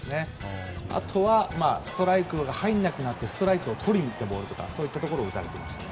あとは、ストライクが入らなくなってストライクをとりにいったボールとかを打たれました。